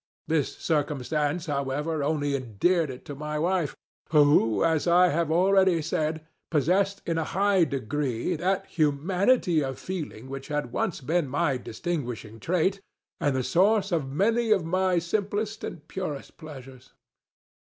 This circumstance, however, only endeared it to my wife, who, as I have already said, possessed, in a high degree, that humanity of feeling which had once been my distinguishing trait, and the source of many of my simplest and purest pleasures.